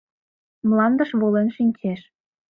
Мландыш волен шинчеш.